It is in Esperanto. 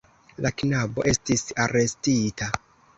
La knabo estis arestita.